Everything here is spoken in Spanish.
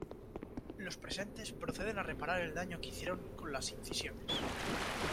Los presentes proceden a reparar el daño que hicieron con las incisiones.